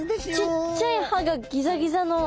ちっちゃい歯がギザギザの。